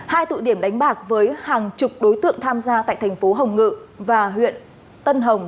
hai tụ điểm đánh bạc với hàng chục đối tượng tham gia tại thành phố hồng ngự và huyện tân hồng